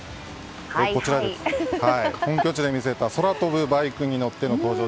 本拠地で見せた空飛ぶバイクに乗っての登場。